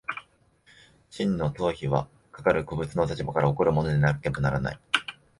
真の当為はかかる個物の立場から起こるものでなければならない。